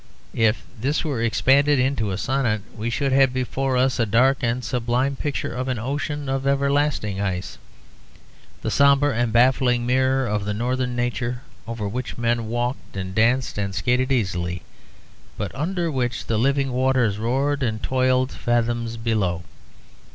If this were expanded into a sonnet, we should have before us a dark and sublime picture of an ocean of everlasting ice, the sombre and baffling mirror of the Northern nature, over which men walked and danced and skated easily, but under which the living waters roared and toiled fathoms below.